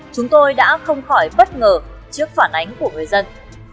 chúng tôi đã không khỏi bất ngờ trước phản ánh của người dân